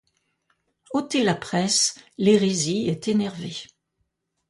Otez la presse, l'hérésie est énervée.